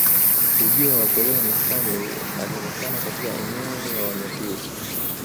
Ujio wa wakoloni Stanley alionekana katika eneo la Wanyaturu